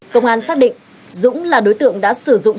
công an xác định dũng là đối tượng đã sử dụng